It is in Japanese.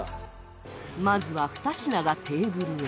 まずは２品がテーブルに。